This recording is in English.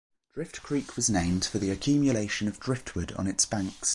Drift Creek was named for the accumulations of driftwood on its banks.